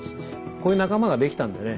こういう仲間ができたんでね